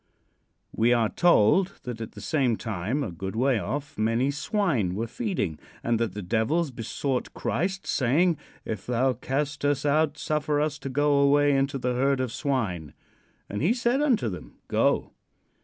We are told that at the same time, a good way off, many swine were feeding, and that the devils besought Christ, saying: "If thou cast us out, suffer us to go away into the herd of swine." And he said unto them: "Go."